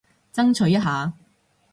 爭取一下